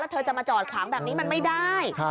เธอจะมาจอดขวางแบบนี้มันไม่ได้